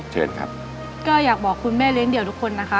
เชิญครับก็อยากบอกคุณแม่เลี้ยเดี่ยวทุกคนนะคะ